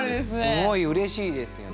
すごいうれしいですよね。